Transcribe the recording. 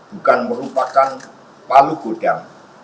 bukan merupakan palu godang